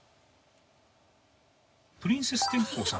プリンセス天功さん？